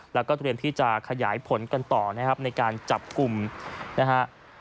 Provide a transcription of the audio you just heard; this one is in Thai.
แล้วก็เตรียมที่จะขยายผลกันต่อนะครับในการจับกลุ่มนะฮะ